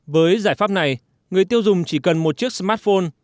với giải pháp này người tiêu dùng chỉ cần một chiếc smartphone